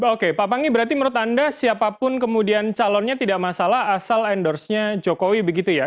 oke pak panggi berarti menurut anda siapapun kemudian calonnya tidak masalah asal endorse nya jokowi begitu ya